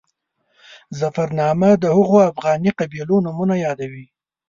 ظفرنامه د هغو افغاني قبیلو نومونه یادوي.